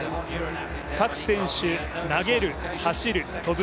各選手、投げる・走る・跳ぶ。